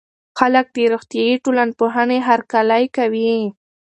خلګ د روغتيائي ټولنپوهنې هرکلی کوي.